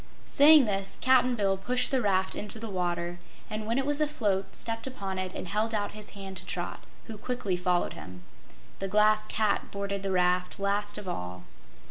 Saying this, Cap'n Bill pushed the raft into the water, and when it was afloat, stepped upon it and held out his hand to Trot, who quickly followed him. The Glass Cat boarded the raft last of all.